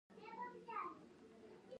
احمد اخوندزاده خلکو د غرو سنګړه بلله.